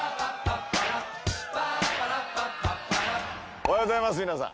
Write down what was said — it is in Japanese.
おはようございます皆さん。